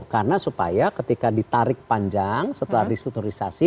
karena supaya ketika ditarik panjang setelah disetorisasi